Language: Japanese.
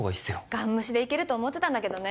ガン無視で行けると思ってたんだけどね